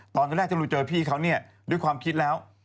ตอนแรกที่ผมเจอพี่เขาด้วยความคิดแล้ว